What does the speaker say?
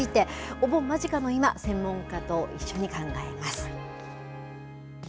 お盆間近の今、専門家と一緒に考えます。